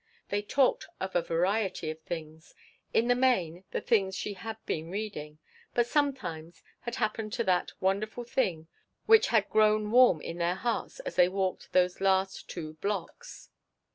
They talked of a variety of things in the main, the things she had been reading but something had happened to that wonderful thing which had grown warm in their hearts as they walked those last two blocks.